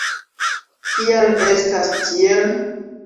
Kial estas tiel?